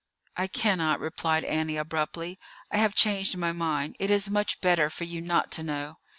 "I cannot," replied Annie abruptly. "I have changed my mind. It is much better for you not to know."